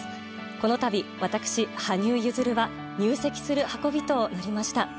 この度、私、羽生結弦は入籍する運びとなりました。